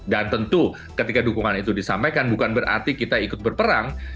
dan tentu ketika dukungan itu disampaikan bukan berarti kita ikut berperang